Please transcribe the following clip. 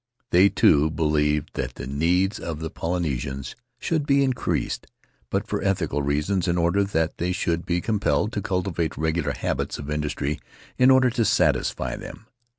They, too, believed that the needs of the Polynesians should be increased, but for ethical reasons, in order that they should be compelled to cultivate regular habits of industry in order to satisfy them.